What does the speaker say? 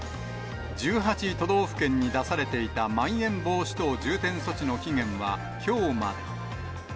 都道府県に出されていたまん延防止等重点措置の期限は、きょうまで。